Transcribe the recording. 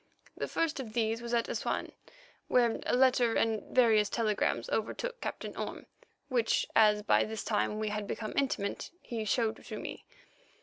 The first of these was at Assouan, where a letter and various telegrams overtook Captain Orme, which, as by this time we had become intimate, he showed to me.